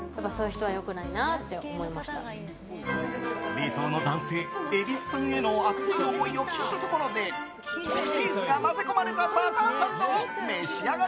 理想の男性、蛭子さんへの熱い思いを聞いたところでチーズが混ぜ込まれたバターサンドを召し上がれ。